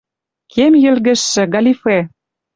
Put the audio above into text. Кем йӹлгӹжшӹ, галифе.